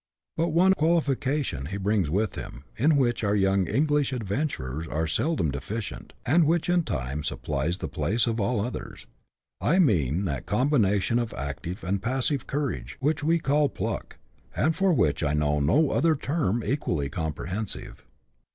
But one qualification he brings with him, in which our young English adventurers are seldom deficient, and which in time supplies the place of all others : I mean that combination of active and passive courage which we call pluck, and for which I know no other term equally comprehensive.